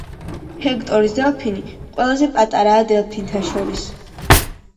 ჰექტორის დელფინი ყველაზე პატარაა დელფინთა შორის.